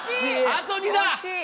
あと２打。